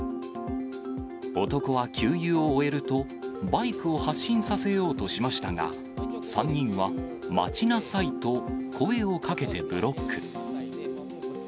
男は給油を終えると、バイクを発進させようとしましたが、３人は待ちなさいと声をかけてブロック。